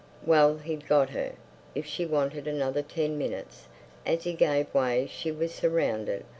Well, he'd got her. If she wanted another ten minutes—As he gave way she was surrounded.